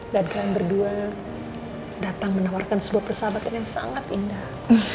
dan kalian berdua datang menawarkan sebuah persahabatan yang sangat indah